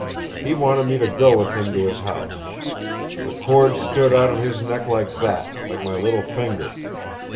He wanted me to go with him to his house. The cords stood out on his neck like that like my little finger.